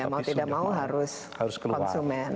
mau tidak mau harus konsumen